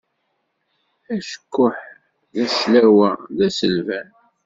Acekkuḥ d aclawa,d aselban.